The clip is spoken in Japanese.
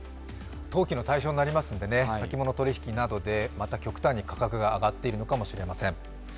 投機の対象になるので、先物取引などの影響でまた極端に価格が上がっているのかもしれません。